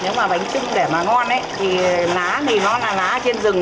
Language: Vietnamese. nếu mà bánh trưng để mà ngon ấy thì lá thì nó là lá trên rừng